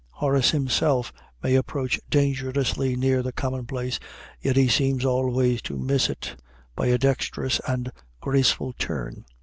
Horace himself may approach dangerously near the commonplace, yet he seems always to miss it by a dexterous and graceful turn.